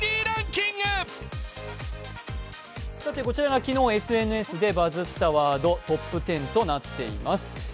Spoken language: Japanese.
こちらが昨日ＳＮＳでバズったワードトップ１０となっています。